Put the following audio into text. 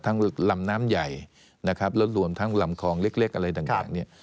ลำน้ำใหญ่นะครับแล้วรวมทั้งลำคลองเล็กอะไรต่างเนี่ย